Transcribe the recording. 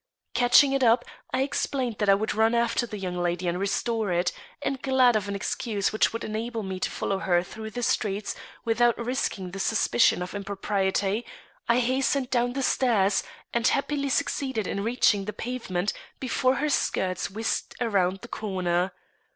Catching it up, I explained that I would run after the young lady and restore it; and glad of an excuse which would enable me to follow her through the streets without risking the suspicion of impropriety, I hastened down the stairs and happily succeeded in reaching the pavement before her skirts whisked round the corner.